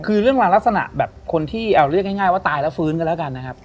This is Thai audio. คือเรื่องราวลักษณะแบบคนที่เรียกง่ายว่าตายแล้วฟื้นกันแล้วกันนะครับ